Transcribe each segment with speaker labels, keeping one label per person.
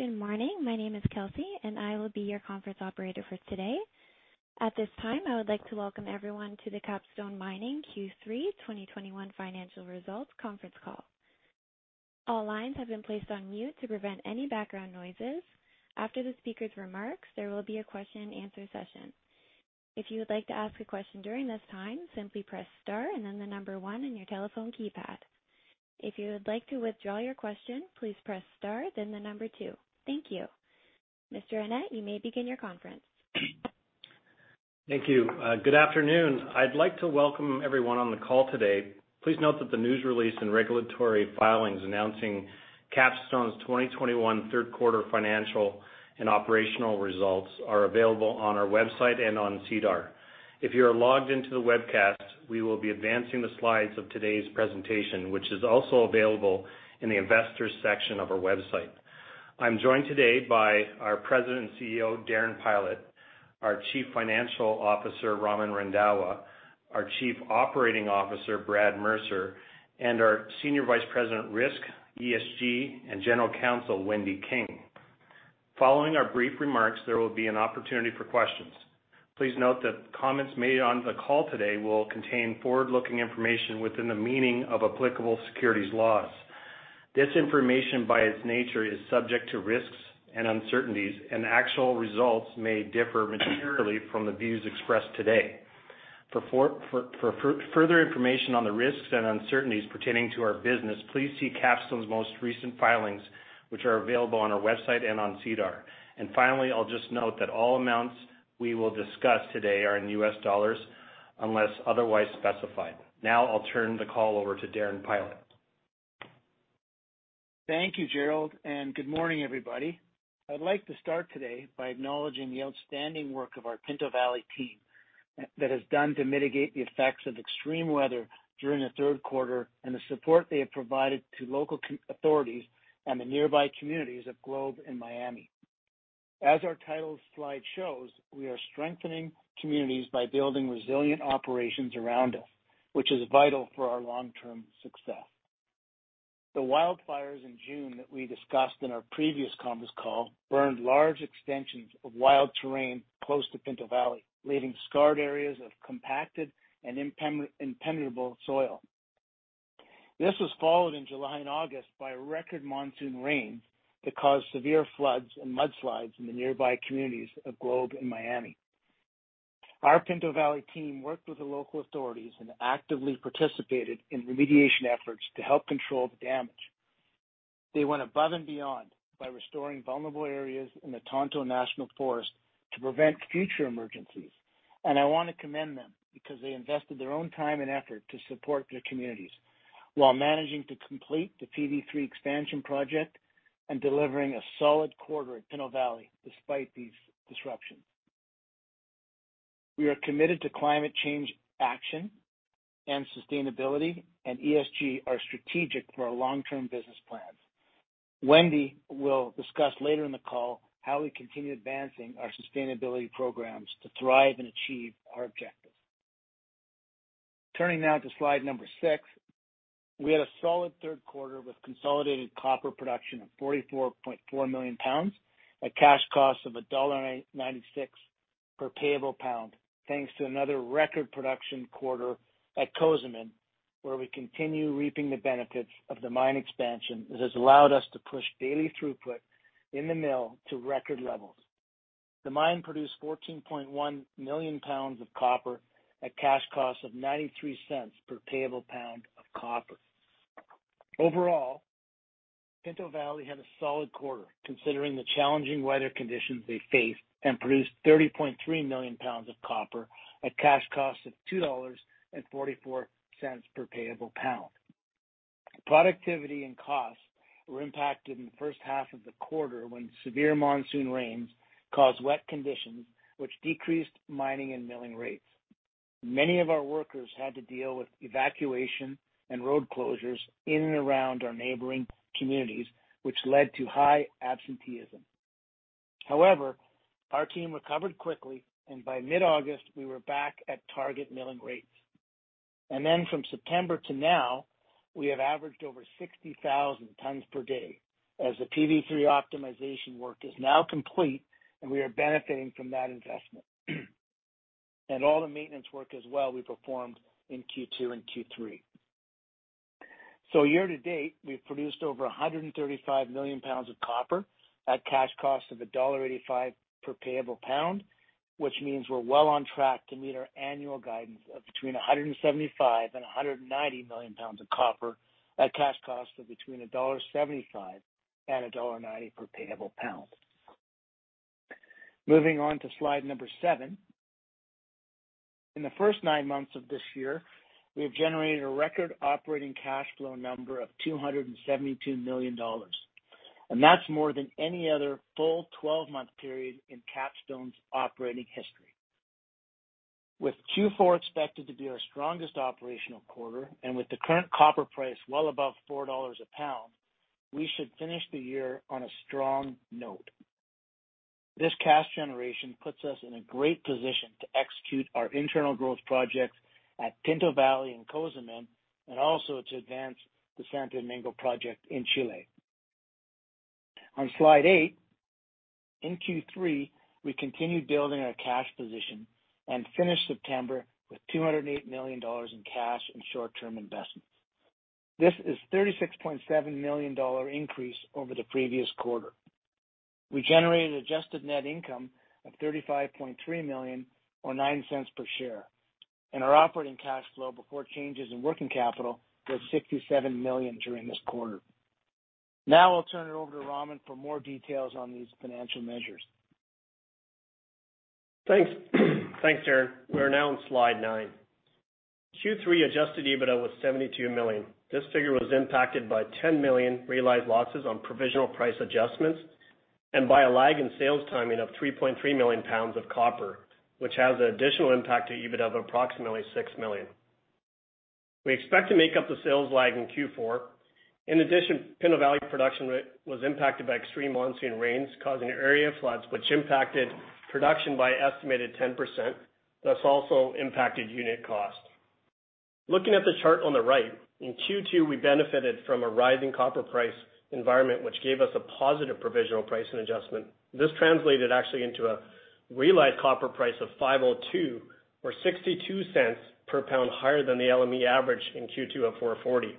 Speaker 1: Good morning. My name is Kelsey, and I will be your conference operator for today. At this time, I would like to welcome everyone to the Capstone Mining Q3 2021 financial results conference call. All lines have been placed on mute to prevent any background noises. After the speaker's remarks, there will be a question and answer session. If you would like to ask a question during this time, simply press Star and then the number one in your telephone keypad. If you would like to withdraw your question, please press Star, then the number two. Thank you. Mr. Annett, you may begin your conference.
Speaker 2: Thank you. Good afternoon. I'd like to welcome everyone on the call today. Please note that the news release and regulatory filings announcing Capstone's 2021 third quarter financial and operational results are available on our website and on SEDAR. If you are logged into the webcast, we will be advancing the slides of today's presentation, which is also available in the investors section of our website. I'm joined today by our President and CEO, Darren Pylot, our Chief Financial Officer, Raman Randhawa, our Chief Operating Officer, Brad Mercer, and our Senior Vice President, Risk, ESG, and General Counsel, Wendy King. Following our brief remarks, there will be an opportunity for questions. Please note that comments made on the call today will contain forward-looking information within the meaning of applicable securities laws. This information, by its nature, is subject to risks and uncertainties, and actual results may differ materially from the views expressed today. For further information on the risks and uncertainties pertaining to our business, please see Capstone's most recent filings, which are available on our website and on SEDAR. Finally, I'll just note that all amounts we will discuss today are in US dollars unless otherwise specified. Now, I'll turn the call over to Darren Pylot.
Speaker 3: Thank you, Jerrold, and good morning, everybody. I'd like to start today by acknowledging the outstanding work of our Pinto Valley team that is done to mitigate the effects of extreme weather during the third quarter and the support they have provided to local authorities and the nearby communities of Globe and Miami. As our title slide shows, we are strengthening communities by building resilient operations around us, which is vital for our long-term success. The wildfires in June that we discussed in our previous conference call burned large expanses of wild terrain close to Pinto Valley, leaving scarred areas of compacted and impenetrable soil. This was followed in July and August by record monsoon rains that caused severe floods and mudslides in the nearby communities of Globe and Miami. Our Pinto Valley team worked with the local authorities and actively participated in remediation efforts to help control the damage. They went above and beyond by restoring vulnerable areas in the Tonto National Forest to prevent future emergencies. I want to commend them because they invested their own time and effort to support their communities while managing to complete the PV3 expansion project and delivering a solid quarter at Pinto Valley despite these disruptions. We are committed to climate change action, and sustainability and ESG are strategic for our long-term business plans. Wendy will discuss later in the call how we continue advancing our sustainability programs to thrive and achieve our objectives. Turning now to slide number six. We had a solid third quarter with consolidated copper production of 44.4 million pounds at cash costs of $1.96 per payable pound, thanks to another record production quarter at Cozamin, where we continue reaping the benefits of the mine expansion that has allowed us to push daily throughput in the mill to record levels. The mine produced 14.1 million pounds of copper at cash costs of $0.93 per payable pound of copper. Overall, Pinto Valley had a solid quarter, considering the challenging weather conditions they faced and produced 30.3 million pounds of copper at cash costs of $2.44 per payable pound. Productivity and costs were impacted in the first half of the quarter when severe monsoon rains caused wet conditions, which decreased mining and milling rates. Many of our workers had to deal with evacuation and road closures in and around our neighboring communities, which led to high absenteeism. However, our team recovered quickly, and by mid-August, we were back at target milling rates. Then from September to now, we have averaged over 60,000 tons per day as the PV3 optimization work is now complete, and we are benefiting from that investment. All the maintenance work as well we performed in Q2 and Q3. Year to date, we've produced over 135 million pounds of copper at cash cost of $1.85 per payable pound, which means we're well on track to meet our annual guidance of between 175 and 190 million pounds of copper at cash cost of between $1.75 and $1.90 per payable pound. Moving on to slide seven. In the first nine months of this year, we have generated a record operating cash flow number of $272 million, and that's more than any other full 12-month period in Capstone's operating history. With Q4 expected to be our strongest operational quarter and with the current copper price well above $4 a pound, we should finish the year on a strong note. This cash generation puts us in a great position to execute our internal growth projects at Pinto Valley and Cozamin, and also to advance the Santo Domingo project in Chile. On slide eight, in Q3, we continued building our cash position and finished September with $208 million in cash and short-term investments. This is $36.7 million increase over the previous quarter. We generated adjusted net income of $35.3 million or $0.09 per share, and our operating cash flow before changes in working capital was $67 million during this quarter. Now I'll turn it over to Raman for more details on these financial measures.
Speaker 4: Thanks. Thanks, Darren. We're now on slide nine. Q3 adjusted EBITDA was $72 million. This figure was impacted by $10 million realized losses on provisional price adjustments and by a lag in sales timing of 3.3 million pounds of copper, which has an additional impact to EBITDA of approximately $6 million. We expect to make up the sales lag in Q4. In addition, Pinto Valley production rate was impacted by extreme monsoon rains, causing area floods which impacted production by an estimated 10%, thus also impacted unit cost. Looking at the chart on the right, in Q2, we benefited from a rising copper price environment, which gave us a positive provisional pricing adjustment. This translated actually into a realized copper price of $5.02 or $0.62 per pound higher than the LME average in Q2 of $4.40.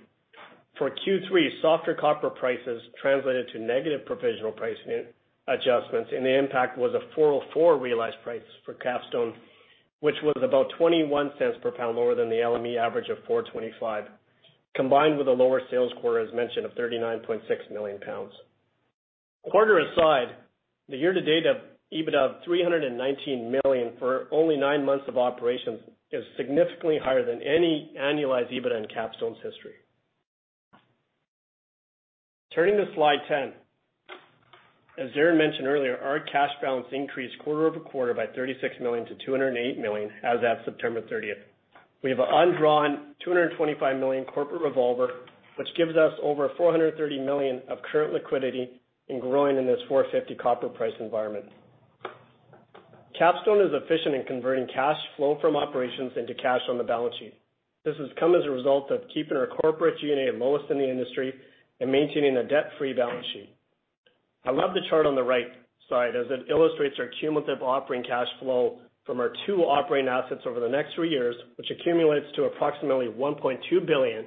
Speaker 4: For Q3, softer copper prices translated to negative provisional pricing adjustments, and the impact was a $4.04 realized price for Capstone, which was about $0.21 per pound lower than the LME average of $4.25. Combined with a lower sales quarter, as mentioned, of 39.6 million pounds. Quarter aside, the year-to-date of EBITDA of $319 million for only nine months of operations is significantly higher than any annualized EBITDA in Capstone's history. Turning to slide 10. As Darren mentioned earlier, our cash balance increased quarter-over-quarter by $36 million to $208 million as of September 30. We have an undrawn $225 million corporate revolver, which gives us over $430 million of current liquidity and growing in this $4.50 copper price environment. Capstone is efficient in converting cash flow from operations into cash on the balance sheet. This has come as a result of keeping our corporate G&A lowest in the industry and maintaining a debt-free balance sheet. I love the chart on the right side as it illustrates our cumulative operating cash flow from our two operating assets over the next three years, which accumulates to approximately $1.2 billion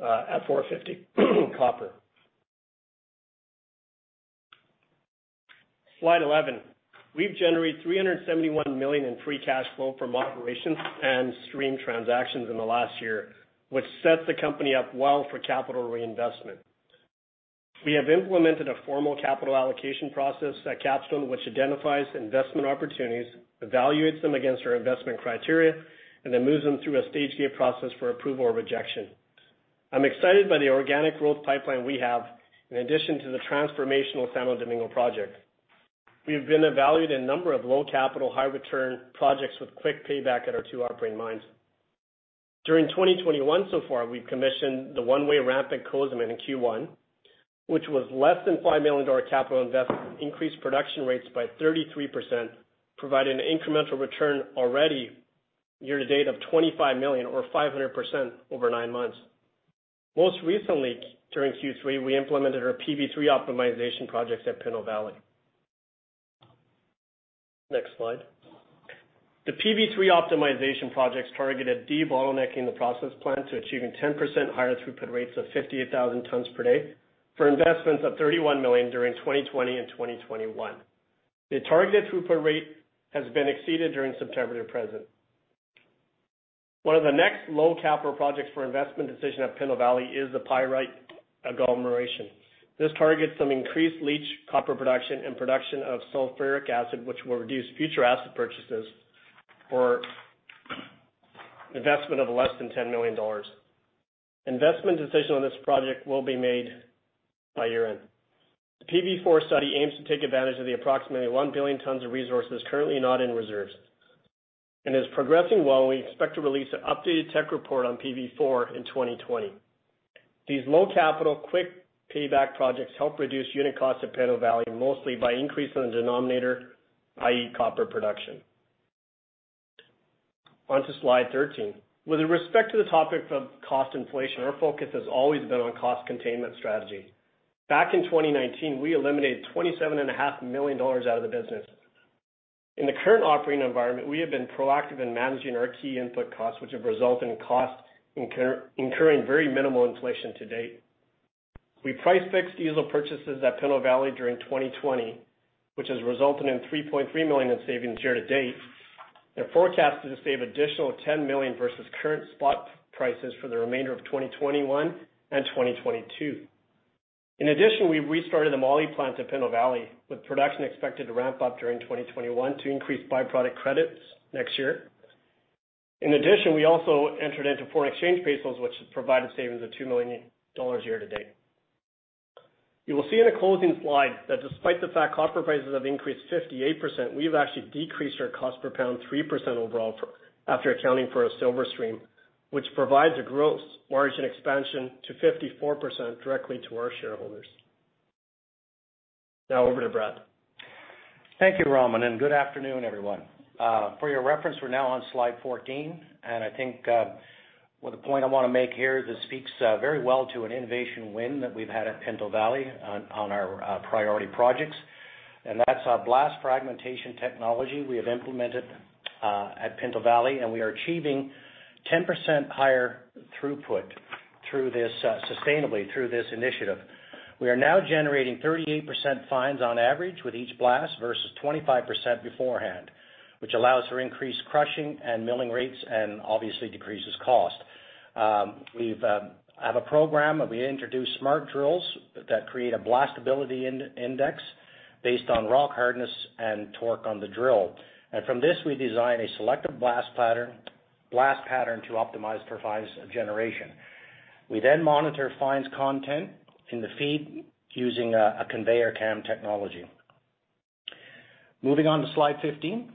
Speaker 4: at $4.50 copper. Slide 11. We've generated $371 million in free cash flow from operations and stream transactions in the last year, which sets the company up well for capital reinvestment. We have implemented a formal capital allocation process at Capstone, which identifies investment opportunities, evaluates them against our investment criteria, and then moves them through a stage-gate process for approval or rejection. I'm excited by the organic growth pipeline we have in addition to the transformational Santo Domingo project. We have evaluated a number of low capital, high return projects with quick payback at our two operating mines. During 2021 so far, we've commissioned the one-way ramp at Cozamin in Q1, which was less than $5 million capital investment, increased production rates by 33%, providing an incremental return already year to date of $25 million or 500% over 9 months. Most recently, during Q3, we implemented our PV3 optimization projects at Pinto Valley. Next slide. The PV3 optimization projects targeted de-bottlenecking the process plant to achieve 10% higher throughput rates of 58,000 tons per day for investments of $31 million during 2020 and 2021. The targeted throughput rate has been exceeded during September to present. One of the next low capital projects for investment decision at Pinto Valley is the Pyrite Agglomeration. This targets some increased leach copper production and production of sulfuric acid, which will reduce future asset purchases for investment of less than $10 million. Investment decision on this project will be made by year-end. The PV4 study aims to take advantage of the approximately 1 billion tons of resources currently not in reserves. Is progressing well, we expect to release an updated tech report on PV4 in 2020. These low capital, quick payback projects help reduce unit cost at Pinto Valley, mostly by increasing the denominator, i.e., copper production. On to slide 13. With respect to the topic of cost inflation, our focus has always been on cost containment strategy. Back in 2019, we eliminated $27.5 million out of the business. In the current operating environment, we have been proactive in managing our key input costs, which have resulted in costs incurring very minimal inflation to date. We price-fixed diesel purchases at Pinto Valley during 2020, which has resulted in $3.3 million in savings year to date. They're forecasted to save additional $10 million versus current spot prices for the remainder of 2021 and 2022. In addition, we restarted the moly plant at Pinto Valley, with production expected to ramp up during 2021 to increase byproduct credits next year. In addition, we also entered into foreign exchange hedges, which has provided savings of $2 million year to date. You will see in the closing slide that despite the fact copper prices have increased 58%, we've actually decreased our cost per pound 3% overall, after accounting for our silver stream, which provides a gross margin expansion to 54% directly to our shareholders. Now over to Brad.
Speaker 5: Thank you, Raman, and good afternoon, everyone. For your reference, we're now on slide 14, and I think the point I wanna make here, this speaks very well to an innovation win that we've had at Pinto Valley on our priority projects, and that's our blast fragmentation technology we have implemented at Pinto Valley, and we are achieving 10% higher throughput through this sustainably through this initiative. We are now generating 38% fines on average with each blast versus 25% beforehand, which allows for increased crushing and milling rates and obviously decreases cost. We have a program where we introduce smart drills that create a blastability index based on rock hardness and torque on the drill. From this, we design a selective blast pattern to optimize for fines generation. We monitor fines content in the feed using a ConveyorCam technology. Moving on to slide 15.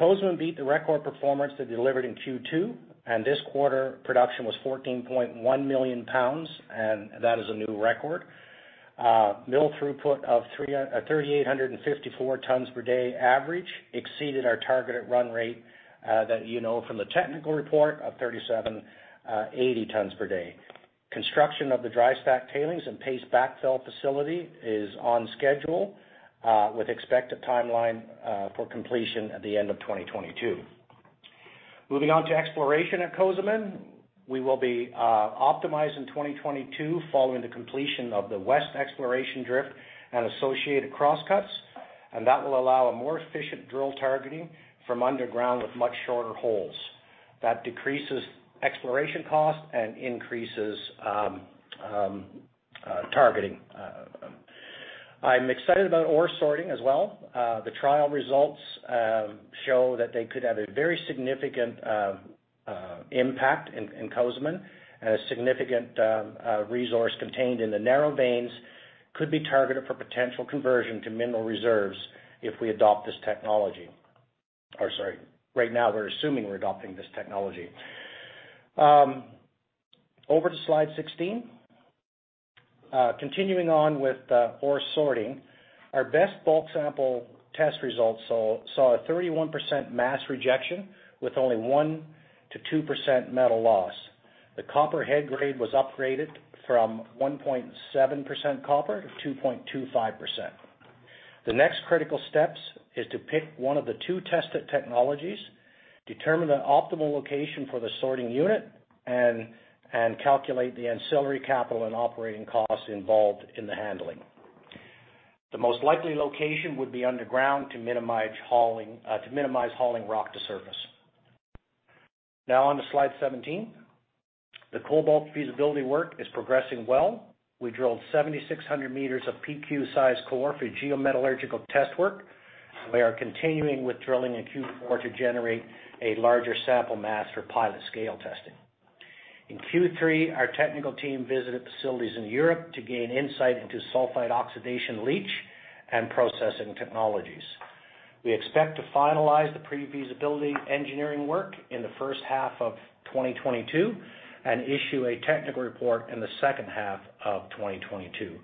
Speaker 5: Cozamin beat the record performance they delivered in Q2, and this quarter production was 14.1 million pounds, and that is a new record. Mill throughput of 3,854 tons per day average exceeded our targeted run rate, that you know from the technical report of 3,780 tons per day. Construction of the dry stack tailings and paste backfill facility is on schedule with expected timeline for completion at the end of 2022. Moving on to exploration at Cozamin. We will be optimized in 2022 following the completion of the west exploration drift and associated cross cuts, and that will allow a more efficient drill targeting from underground with much shorter holes. That decreases exploration costs and increases targeting. I'm excited about ore sorting as well. The trial results show that they could have a very significant impact in Cozamin, and a significant resource contained in the narrow veins could be targeted for potential conversion to mineral reserves if we adopt this technology. Sorry, right now we're assuming we're adopting this technology. Over to slide 16. Continuing on with ore sorting, our best bulk sample test results saw a 31% mass rejection with only 1%-2% metal loss. The copper head grade was upgraded from 1.7% copper to 2.25%. The next critical steps is to pick one of the two tested technologies, determine the optimal location for the sorting unit, and calculate the ancillary capital and operating costs involved in the handling. The most likely location would be underground to minimize hauling to minimize hauling rock to surface. Now on to slide 17. The cobalt feasibility work is progressing well. We drilled 7,600 meters of PQ size core for geometallurgical test work. We are continuing with drilling in Q4 to generate a larger sample mass for pilot scale testing. In Q3, our technical team visited facilities in Europe to gain insight into sulfide oxidation leach and processing technologies. We expect to finalize the pre-feasibility engineering work in the first half of 2022 and issue a technical report in the second half of 2022,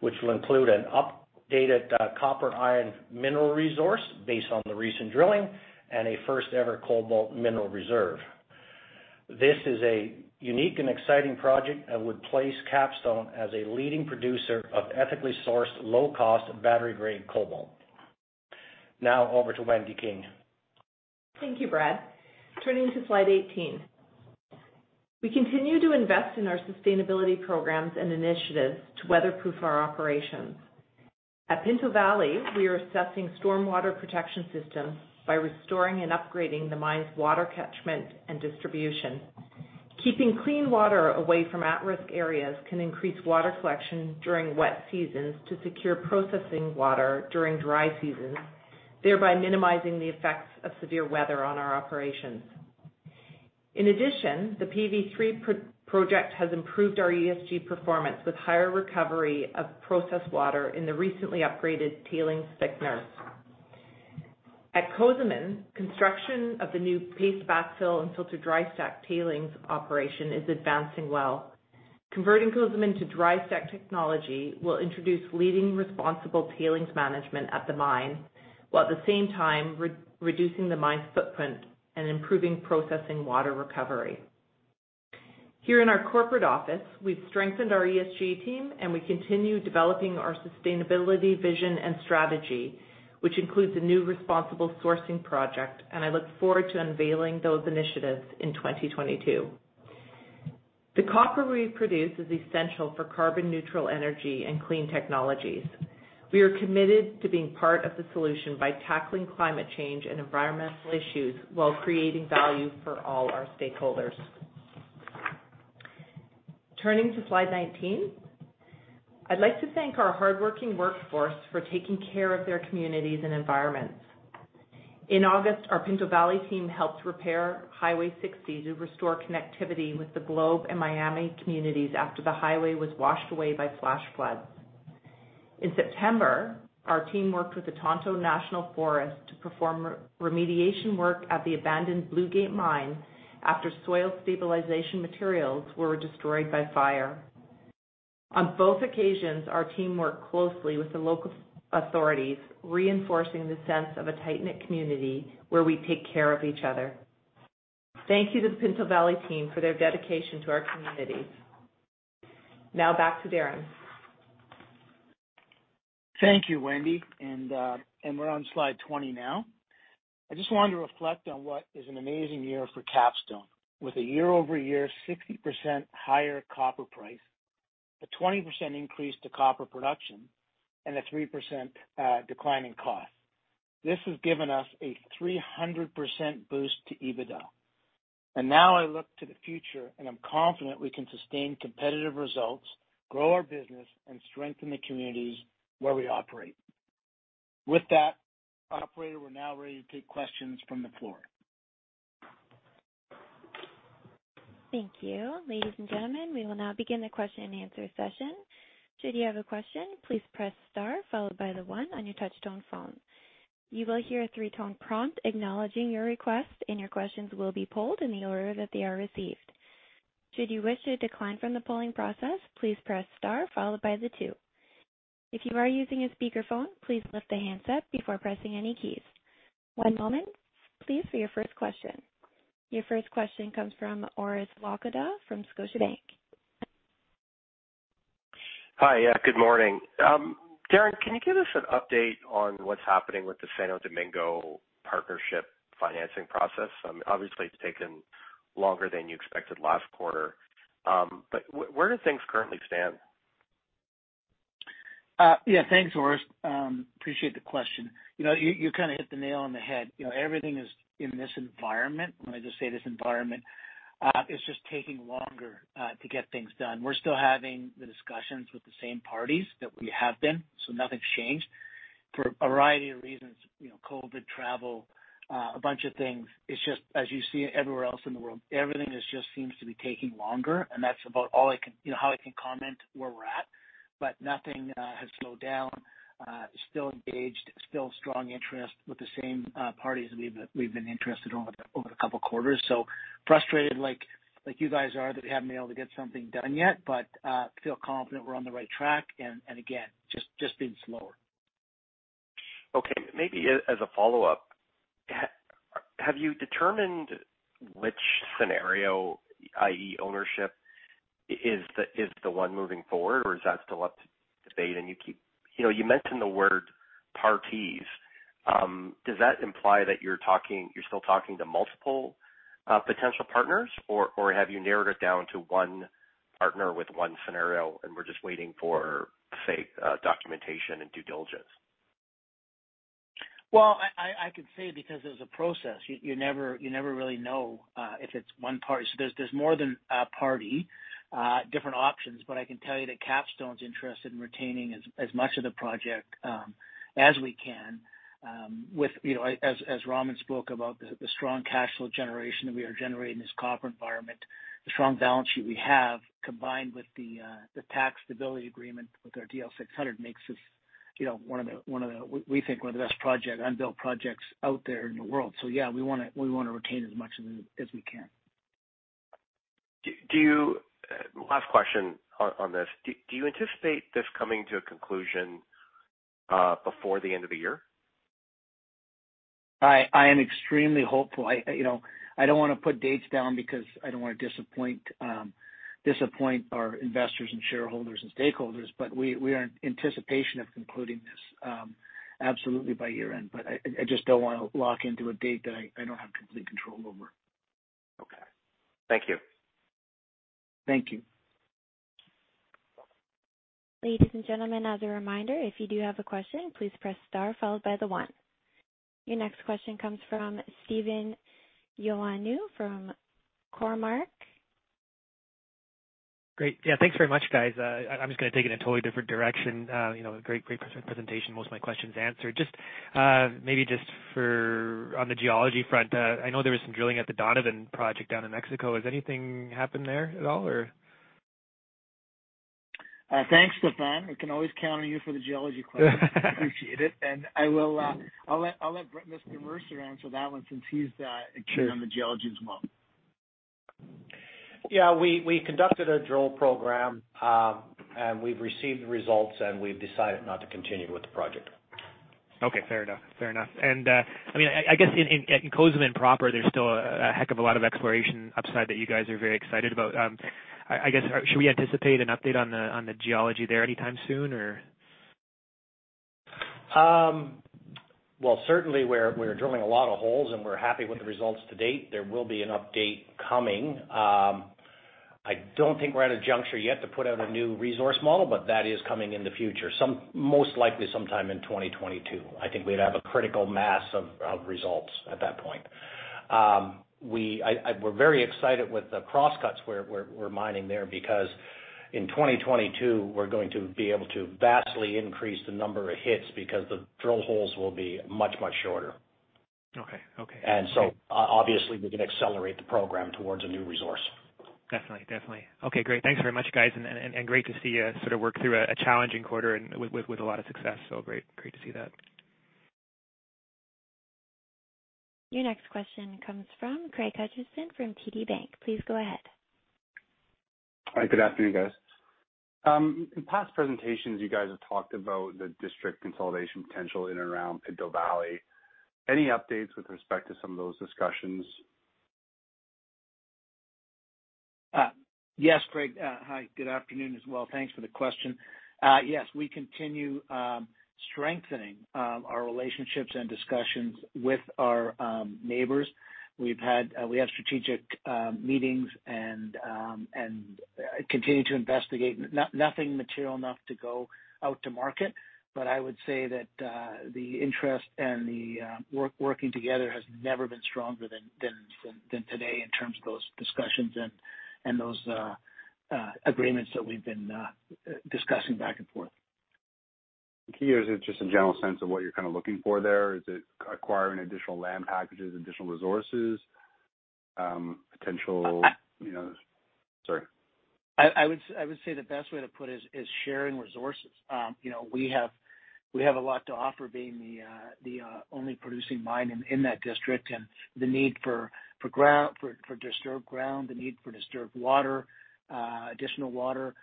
Speaker 5: which will include an updated copper-iron mineral resource based on the recent drilling and a first-ever cobalt mineral reserve. This is a unique and exciting project that would place Capstone as a leading producer of ethically sourced, low cost battery grade cobalt. Now over to Wendy King.
Speaker 6: Thank you, Brad. Turning to slide 18. We continue to invest in our sustainability programs and initiatives to weatherproof our operations. At Pinto Valley, we are assessing storm water protection systems by restoring and upgrading the mine's water catchment and distribution. Keeping clean water away from at-risk areas can increase water collection during wet seasons to secure processing water during dry seasons, thereby minimizing the effects of severe weather on our operations. In addition, the PV3 project has improved our ESG performance with higher recovery of processed water in the recently upgraded tailings thickener. At Cozamin, construction of the new paste backfill and filtered dry stack tailings operation is advancing well. Converting Cozamin to dry stack technology will introduce leading responsible tailings management at the mine, while at the same time reducing the mine's footprint and improving processing water recovery. Here in our corporate office, we've strengthened our ESG team, and we continue developing our sustainability vision and strategy, which includes a new responsible sourcing project, and I look forward to unveiling those initiatives in 2022. The copper we produce is essential for carbon neutral energy and clean technologies. We are committed to being part of the solution by tackling climate change and environmental issues while creating value for all our stakeholders. Turning to slide 19. I'd like to thank our hardworking workforce for taking care of their communities and environments. In August, our Pinto Valley team helped repair Highway 60 to restore connectivity with the Globe and Miami communities after the highway was washed away by flash floods. In September, our team worked with the Tonto National Forest to perform remediation work at the abandoned Blue Gate Mine after soil stabilization materials were destroyed by fire. On both occasions, our team worked closely with the local authorities, reinforcing the sense of a tight-knit community where we take care of each other. Thank you to the Pinto Valley team for their dedication to our community. Now back to Darren.
Speaker 3: Thank you, Wendy, and we're on slide 20 now. I just wanted to reflect on what is an amazing year for Capstone. With a year-over-year 60% higher copper price, a 20% increase to copper production, and a 3% decline in cost. This has given us a 300% boost to EBITDA. Now I look to the future, and I'm confident we can sustain competitive results, grow our business, and strengthen the communities where we operate. With that, operator, we're now ready to take questions from the floor.
Speaker 1: Thank you. Ladies and gentlemen, we will now begin the question-and-answer session. Should you have a question, please press star followed by the one on your touchtone phone. You will hear a three-tone prompt acknowledging your request, and your questions will be polled in the order that they are received. Should you wish to decline from the polling process, please press star followed by the two. If you are using a speakerphone, please lift the handset before pressing any keys. One moment, please, for your first question. Your first question comes from Orest Wowkodaw from Scotiabank.
Speaker 7: Hi. Yeah, good morning. Darren, can you give us an update on what's happening with the Santo Domingo partnership financing process? Obviously, it's taken longer than you expected last quarter. Where do things currently stand?
Speaker 3: Yeah, thanks, Orest. Appreciate the question. You know, you kinda hit the nail on the head. You know, everything is in this environment. Let me just say this environment is just taking longer to get things done. We're still having the discussions with the same parties that we have been, so nothing's changed. For a variety of reasons, you know, COVID, travel, a bunch of things. It's just as you see everywhere else in the world, everything just seems to be taking longer, and that's about all I can, you know, comment on where we're at. But nothing has slowed down. Still engaged, still strong interest with the same parties we've been interested in over the couple quarters. I'm frustrated like you guys are that we haven't been able to get something done yet, but feel confident we're on the right track and again, just being slower.
Speaker 7: Okay. Maybe as a follow-up, have you determined which scenario, i.e., ownership, is the one moving forward, or is that still up to debate? You know, you mentioned the word parties. Does that imply that you're still talking to multiple potential partners? Or have you narrowed it down to one partner with one scenario, and we're just waiting for, say, documentation and due diligence?
Speaker 3: Well, I could say because there's a process, you never really know if it's one party. There's more than a party, different options, but I can tell you that Capstone's interested in retaining as much of the project as we can with you know as Raman spoke about the strong cash flow generation that we are generating in this copper environment. The strong balance sheet we have, combined with the tax stability agreement with our DL 600 makes this you know we think one of the best unbuilt projects out there in the world. Yeah, we wanna retain as much as we can.
Speaker 7: Last question on this. Do you anticipate this coming to a conclusion before the end of the year?
Speaker 3: I am extremely hopeful. You know, I don't wanna put dates down because I don't wanna disappoint our investors and shareholders and stakeholders, but we are in anticipation of concluding this absolutely by year-end. I just don't wanna lock into a date that I don't have complete control over.
Speaker 7: Okay. Thank you.
Speaker 3: Thank you.
Speaker 1: Ladies and gentlemen, as a reminder, if you do have a question, please press star followed by one. Your next question comes from Stefan Ioannou from Cormark.
Speaker 8: Great. Yeah, thanks very much, guys. I'm just gonna take it in a totally different direction. You know, great presentation. Most of my questions answered. Just, maybe just one on the geology front. I know there was some drilling at the Donovan project down in Mexico. Has anything happened there at all or?
Speaker 3: Thanks, Stefan. We can always count on you for the geology questions. Appreciate it. I'll let Mr. Mercer answer that one since he's
Speaker 8: Sure.
Speaker 3: The geology as well.
Speaker 5: Yeah. We conducted a drill program, and we've received the results, and we've decided not to continue with the project.
Speaker 8: Okay, fair enough. Fair enough. I mean, I guess in Cozamin proper, there's still a heck of a lot of exploration upside that you guys are very excited about. I guess, should we anticipate an update on the geology there anytime soon or?
Speaker 5: Well, certainly we're drilling a lot of holes, and we're happy with the results to date. There will be an update coming. I don't think we're at a juncture yet to put out a new resource model, but that is coming in the future, most likely sometime in 2022. I think we'd have a critical mass of results at that point. We're very excited with the cross cuts we're mining there because in 2022, we're going to be able to vastly increase the number of hits because the drill holes will be much shorter.
Speaker 8: Okay, okay.
Speaker 5: Obviously we can accelerate the program towards a new resource.
Speaker 8: Definitely. Okay, great. Thanks very much, guys, and great to see you sort of work through a challenging quarter and with a lot of success. Great to see that.
Speaker 1: Your next question comes from Craig Hutchison from TD Securities. Please go ahead.
Speaker 9: Hi, good afternoon, guys. In past presentations, you guys have talked about the district consolidation potential in and around Pinto Valley. Any updates with respect to some of those discussions?
Speaker 3: Yes, Craig. Hi, good afternoon as well. Thanks for the question. Yes, we continue strengthening our relationships and discussions with our neighbors. We have strategic meetings and continue to investigate. Nothing material enough to go out to market, but I would say that the interest and the working together has never been stronger than today in terms of those discussions and those agreements that we've been discussing back and forth.
Speaker 9: Can you give just a general sense of what you're kind of looking for there? Is it acquiring additional land packages, additional resources, potential?
Speaker 3: I would say the best way to put it is sharing resources. You know, we have a lot to offer being the only producing mine in that district and the need for ground, for disturbed ground, the need for disturbed water, additional water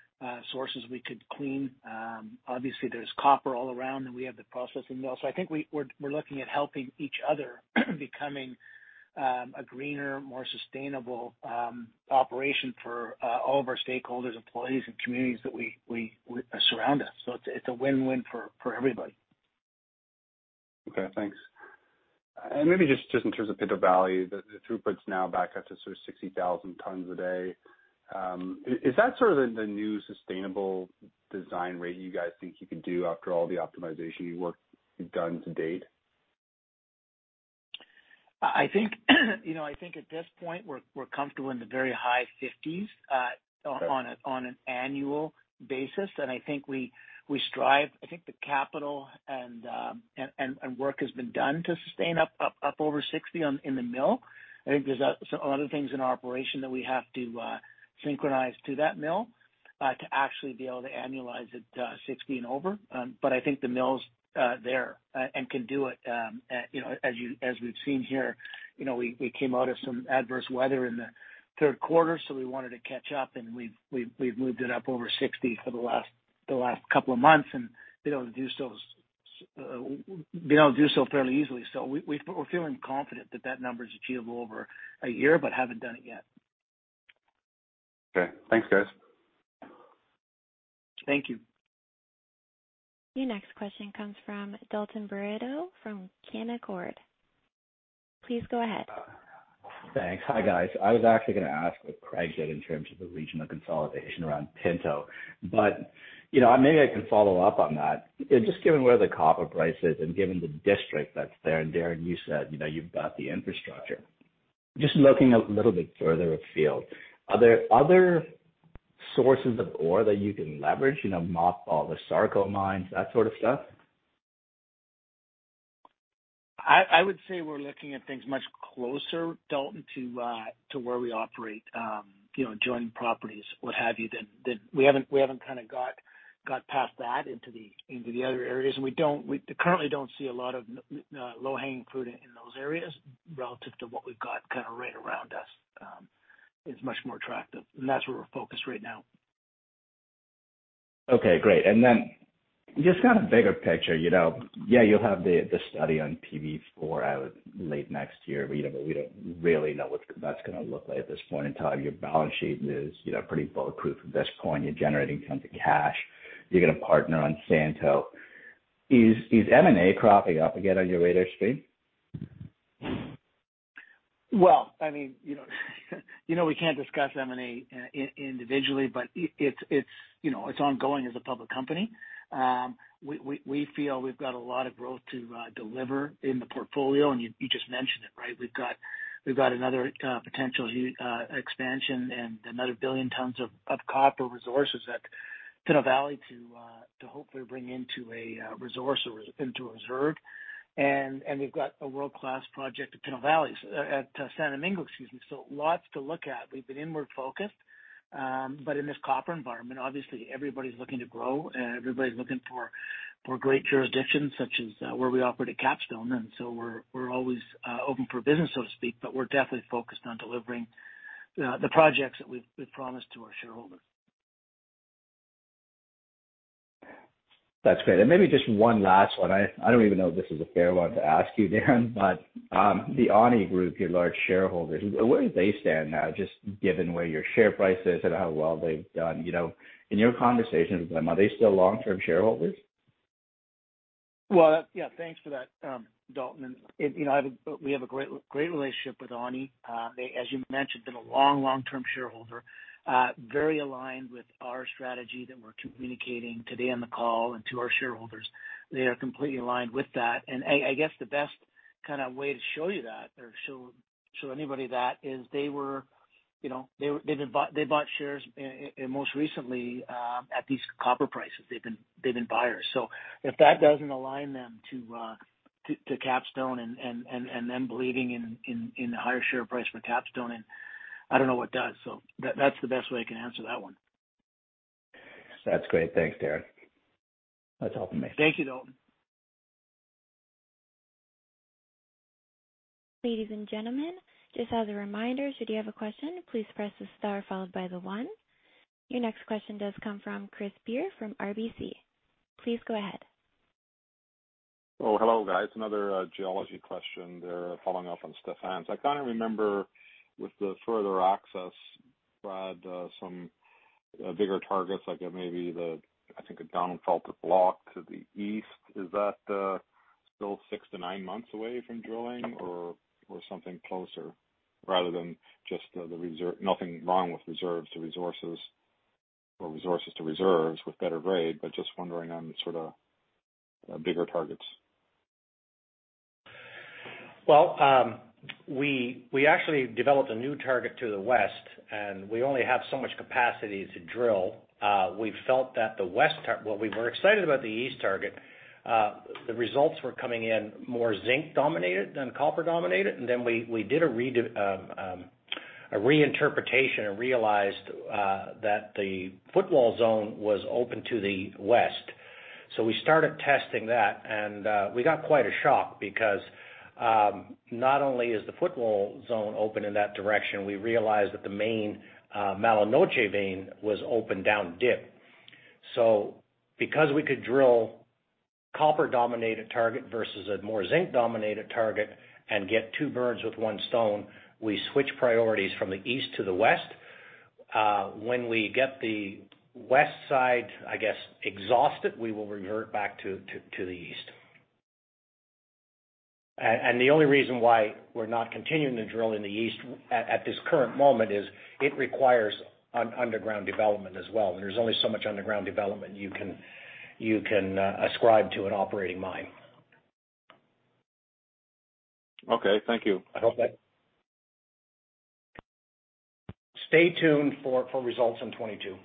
Speaker 3: sources we could clean. Obviously there's copper all around, and we have the processing mill. I think we're looking at helping each other becoming a greener, more sustainable operation for all of our stakeholders, employees, and communities that surround us. It's a win-win for everybody.
Speaker 9: Okay, thanks. Maybe just in terms of Pinto Valley, the throughput's now back up to sort of 60,000 tons a day. Is that sort of the new sustainable design rate you guys think you can do after all the optimization you've done to date?
Speaker 3: I think, you know, I think at this point we're comfortable in the very high fifties on an annual basis. I think the capital and work has been done to sustain up over 60 in the mill. I think there's other things in our operation that we have to synchronize to that mill to actually be able to annualize it 60 and over. I think the mill's there and can do it. You know, as we've seen here, you know, we came out of some adverse weather in the third quarter, so we wanted to catch up and we've moved it up over 60 for the last couple of months and been able to do so fairly easily. We're feeling confident that that number is achievable over a year, but haven't done it yet.
Speaker 9: Okay. Thanks, guys.
Speaker 3: Thank you.
Speaker 1: Your next question comes from Dalton Baretto from Canaccord Genuity. Please go ahead.
Speaker 10: Thanks. Hi, guys. I was actually gonna ask what Craig did in terms of the regional consolidation around Pinto, but you know, maybe I can follow up on that. Just given where the copper price is and given the district that's there, and Darren, you said, you know, you've got the infrastructure. Just looking a little bit further afield, are there other sources of ore that you can leverage? You know, mothball the Carlota mines, that sort of stuff?
Speaker 3: I would say we're looking at things much closer, Dalton, to where we operate, you know, joint properties, what have you, that we haven't kind of got past that into the other areas. We currently don't see a lot of low-hanging fruit in those areas relative to what we've got kind of right around us, is much more attractive. That's where we're focused right now.
Speaker 10: Okay, great. Just kind of bigger picture, you know. Yeah, you'll have the study on PV4 out late next year, but we don't really know what that's gonna look like at this point in time. Your balance sheet is, you know, pretty bulletproof at this point. You're generating tons of cash. You've got a partner on Santo. Is M&A cropping up again on your radar screen?
Speaker 3: I mean, you know, we can't discuss M&A individually, but it's, you know, it's ongoing as a public company. We feel we've got a lot of growth to deliver in the portfolio, and you just mentioned it, right? We've got another potential expansion and another billion tons of copper resources at Pinto Valley to hopefully bring into a resource or into a reserve. We've got a world-class project at Santo Domingo, excuse me. Lots to look at. We've been inward focused, but in this copper environment, obviously everybody's looking to grow and everybody's looking for great jurisdictions such as where we operate at Capstone. We're always open for business, so to speak, but we're definitely focused on delivering the projects that we've promised to our shareholders.
Speaker 10: That's great. Maybe just one last one. I don't even know if this is a fair one to ask you, Darren, but, the Orion group, your large shareholders, where do they stand now, just given where your share price is and how well they've done? You know, in your conversations with them, are they still long-term shareholders?
Speaker 3: Well, yeah. Thanks for that, Dalton. You know, we have a great relationship with Orion. They, as you mentioned, been a long, long-term shareholder, very aligned with our strategy that we're communicating today on the call and to our shareholders. They are completely aligned with that. I guess the best kind of way to show you that, show anybody that is they were, you know, they've been bought, they bought shares and most recently, at these copper prices, they've been buyers. If that doesn't align them to Capstone and them believing in the higher share price for Capstone, I don't know what does. That's the best way I can answer that one.
Speaker 10: That's great. Thanks, Darren. That's helpful.
Speaker 3: Thank you, Dalton.
Speaker 1: Ladies and gentlemen, just as a reminder, should you have a question, please press the star followed by the one. Your next question does come from Chris Beer from RBC. Please go ahead.
Speaker 11: Oh, hello, guys. Another geology question there following up on Stefan's. I kind of remember with the further access, Brad, some bigger targets like maybe the, I think a down-fault block to the east. Is that still six to nine months away from drilling or something closer? Rather than just the reserve. Nothing wrong with reserves to resources or resources to reserves with better grade, but just wondering on the sort of bigger targets.
Speaker 5: Well, we actually developed a new target to the west, and we only have so much capacity to drill. We were excited about the east target. The results were coming in more zinc dominated than copper dominated. Then we did a reinterpretation and realized that the footwall zone was open to the west. We started testing that, and we got quite a shock because not only is the footwall zone open in that direction, we realized that the main Malanoche vein was open down dip. Because we could drill copper dominated target versus a more zinc dominated target and get two birds with one stone, we switched priorities from the east to the west. When we get the west side, I guess, exhausted, we will revert back to the east. The only reason why we're not continuing to drill in the east at this current moment is it requires underground development as well. There's only so much underground development you can ascribe to an operating mine.
Speaker 11: Okay. Thank you.
Speaker 5: Stay tuned for results in 2022.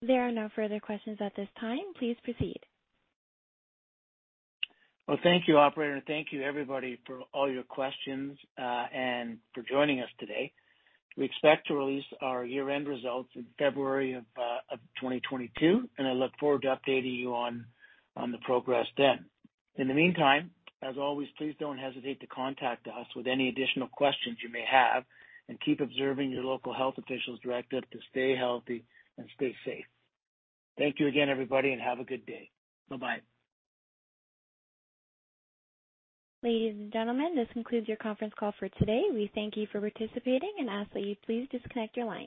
Speaker 1: There are no further questions at this time. Please proceed.
Speaker 3: Well, thank you, operator. Thank you, everybody, for all your questions and for joining us today. We expect to release our year-end results in February of 2022, and I look forward to updating you on the progress then. In the meantime, as always, please don't hesitate to contact us with any additional questions you may have, and keep observing your local health officials' directive to stay healthy and stay safe. Thank you again, everybody, and have a good day. Bye-bye.
Speaker 1: Ladies and gentlemen, this concludes your conference call for today. We thank you for participating and ask that you please disconnect your lines.